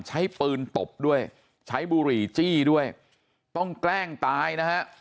ใช้ปืนตบด้วยใช้บุหรี่จี้ด้วยต้องแกล้งตายนะฮะ